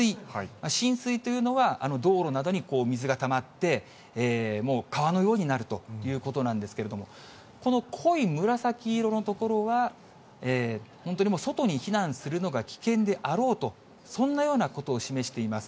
浸水というのは道路などに水がたまって、川のようになるということなんですけれども、この濃い紫色の所は、本当にもう外に避難するのが危険であろうと、そんなようなことを示しています。